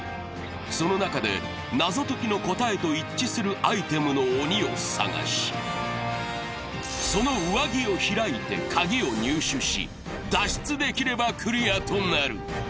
その中で謎解きの答えと一致するアイテムの鬼を探しその上着を開いて鍵を入手し、脱出できればクリアとなる。